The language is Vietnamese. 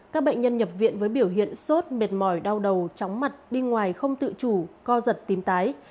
các bệnh nhân nhập viện với biểu hiện sốt mệt mỏi đau đầu chóng mặt đi ngoài không tự chủ co giật tím tái